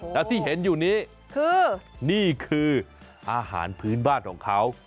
แล้วที่เห็นอยู่นี้คือนี่คืออาหารพื้นบ้านของเขา